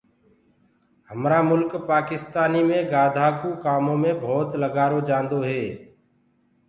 همرآ مُلڪ پاڪِستآنيٚ مي گآڌآ ڪو ڪآمو مي ڀوتَ لگآرو جآنٚدو هي